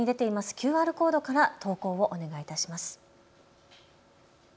ＱＲコードから投稿をお願いいたします。